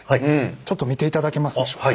ちょっと見ていただけますでしょうか？